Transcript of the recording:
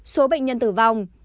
số bệnh nhân tử vong